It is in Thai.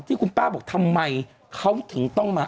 ที่คุณป้าบอกทำไมเขาถึงต้องมา